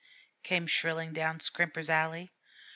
came shrilling down Scrimper's Alley.